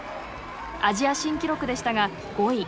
アジア新記録でしたが５位。